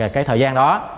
cái thời gian đó